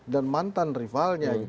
dan mantan rivalnya